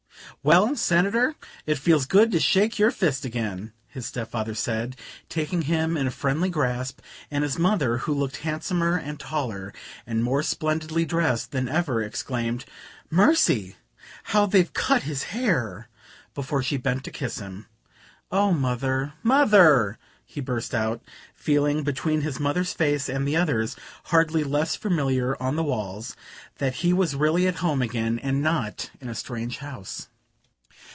"Well, Senator, it feels good to shake your fist again!" his step father said, taking him in a friendly grasp; and his mother, who looked handsomer and taller and more splendidly dressed than ever, exclaimed: "Mercy! how they've cut his hair!" before she bent to kiss him. "Oh, mother, mother!" he burst out, feeling, between his mother's face and the others, hardly less familiar, on the walls, that he was really at home again, and not in a strange house.